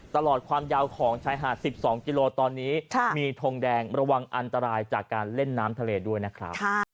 ตลอดความยาวของชายหาด๑๒กิโลตอนนี้มีทงแดงระวังอันตรายจากการเล่นน้ำทะเลด้วยนะครับ